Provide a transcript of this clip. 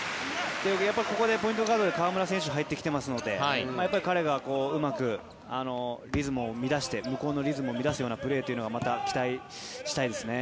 ここでポイントガードで河村選手が入ってきてますのでやっぱり彼がうまくリズムを乱して向こうのリズムを乱すようなプレーを期待したいですね。